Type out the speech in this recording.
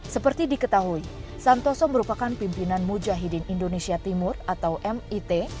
seperti diketahui santoso merupakan pimpinan mujahidin indonesia timur atau mit